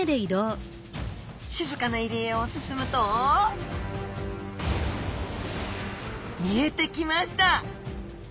静かな入り江を進むと見えてきました！